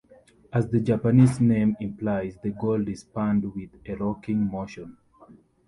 As the Japanese name implies, the gold is panned with a rocking motion.